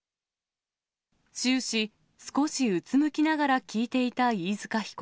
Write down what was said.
終始、少しうつむきながら聞いていた飯塚被告。